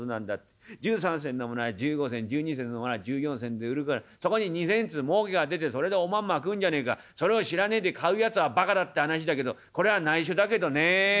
１３銭のものは１５銭１２銭のものは１４銭で売るからそこに２銭ずつもうけが出ておまんま食うんじゃねえかそれを知らねえで買うやつはバカだって話だけどこれは内緒だけどね。